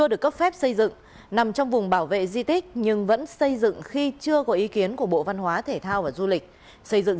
đã nhận được công văn báo cáo về hành vi của ông dũng